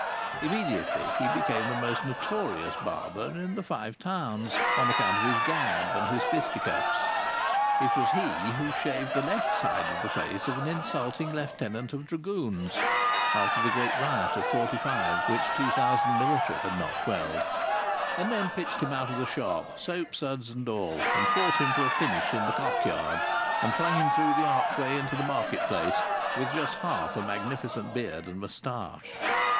Immediately he became the most notorious barber in the Five Towns, on account of his gab and his fisticuffs. It was he who shaved the left side of the face of an insulting lieutenant of dragoons (after the great riots of '45, which two thousand military had not quelled), and then pitched him out of the shop, soapsuds and all, and fought him to a finish in the Cock Yard and flung him through the archway into the market place with just half a magnificent beard and moustache.